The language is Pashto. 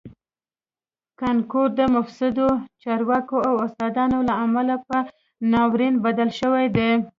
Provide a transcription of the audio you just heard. کانکور د مفسدو چارواکو او استادانو له امله په ناورین بدل شوی دی